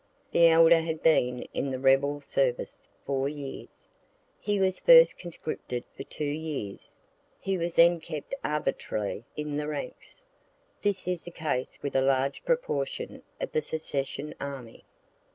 The elder had been in the rebel service four years. He was first conscripted for two years. He was then kept arbitrarily in the ranks. This is the case with a large proportion of the secession army.